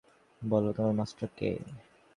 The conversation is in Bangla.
বলো তোমার মাস্টার কে?